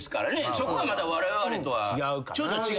そこはまたわれわれとはちょっと違う。